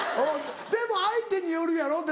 でも相手によるやろ？